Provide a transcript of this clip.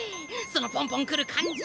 そのポンポン来る感じ。